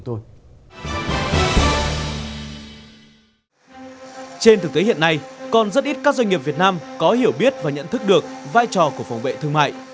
trên thực tế hiện nay còn rất ít các doanh nghiệp việt nam có hiểu biết và nhận thức được vai trò của phòng vệ thương mại